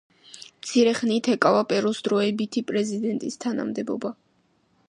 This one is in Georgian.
მცირე ხნით ეკავა პერუს დროებითი პრეზიდენტის თანამდებობა.